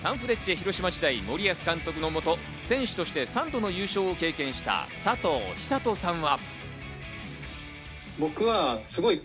広島時代、森保監督の下、選手として３度の優勝を経験した佐藤寿人さんは。